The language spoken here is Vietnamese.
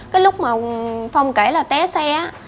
cái lúc mà phong kể là té xe